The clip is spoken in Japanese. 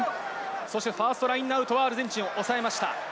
そしてファーストラインアウトは、アルゼンチンをおさえました。